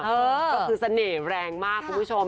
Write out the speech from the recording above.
ก็คือเสน่ห์แรงมากคุณผู้ชม